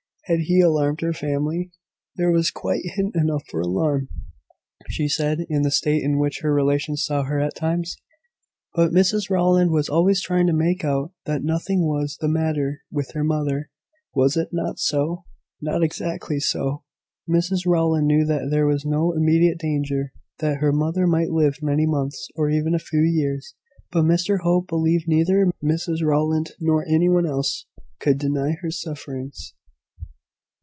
Had he alarmed her family? There was quite hint enough for alarm, he said, in the state in which her relations saw her at times. But Mrs Rowland was always trying to make out that nothing was the matter with her mother: was it not so? Not exactly so. Mrs Rowland knew that there was no immediate danger that her mother might live many months, or even a few years; but Mr Hope believed neither Mrs Rowland, nor any one else, could deny her sufferings.